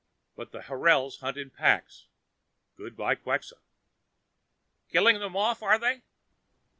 But the horals hunt in packs. Good by Quxa." "Killing them off, are they?"